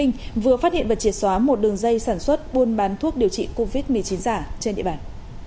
vừa phát hiện và triệt xóa một đường dây sản xuất buôn bán thuốc điều trị covid một mươi chín giả trên địa bàn